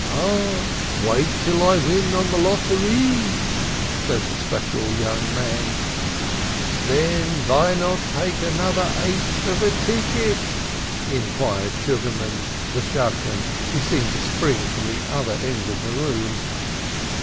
"Ah, wait till I win on the lottery," said the special young man. "Then, vy not take another eighth of a ticket?" inquired Sugarman the Shadchan, who seemed to spring from the other end of the room.